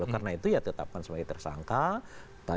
karena itu ya tetapkan sebagai tersangka